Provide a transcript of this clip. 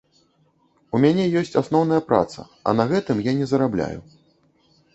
У мяне ёсць асноўная праца, а на гэтым я не зарабляю.